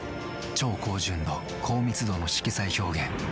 超高純度・高密度の色彩表現。